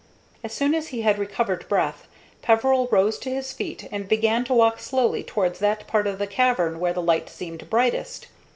As soon as he had recovered breath, Peveril rose to his feet and began to walk slowly towards that part of the cavern where the light seemed brightest.